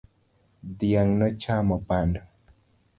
Dhiang' nochamo bando